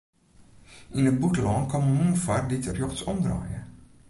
Yn it bûtenlân komme mûnen foar dy't rjochtsom draaie.